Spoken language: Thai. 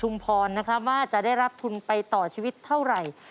พรนะครับว่าจะได้รับทุนไปต่อชีวิตเท่าไหร่